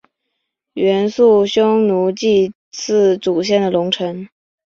元朔匈奴祭祀祖先的龙城。